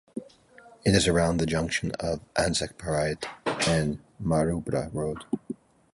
It is around the junction of Anzac Parade and Maroubra Road.